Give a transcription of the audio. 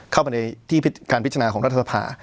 เข้าไปในที่การพิจารณาของรัฐสภา